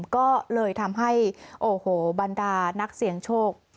ก็เลยทำให้โอ้โหบรรดานักเสี่ยงโชค